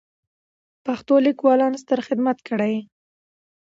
پښتنو لیکوالانو ستر خدمات کړي دي.